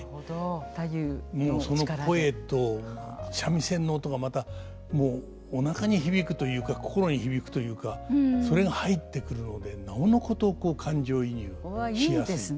その声と三味線の音がまたおなかに響くというか心に響くというかそれが入ってくるのでなおのこと感情移入しやすい。